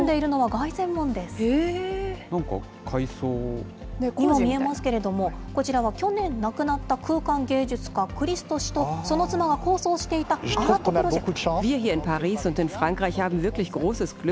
なんか改装？には見えますけれども、こちらは去年亡くなった空間芸術家、クリスト氏と、その妻が構想していたアートプロジェクト。